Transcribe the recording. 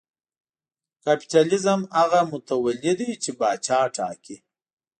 کاپیتالېزم هغه متولي دی چې پاچا ټاکي.